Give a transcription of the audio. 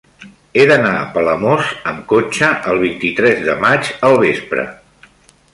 He d'anar a Palamós amb cotxe el vint-i-tres de maig al vespre.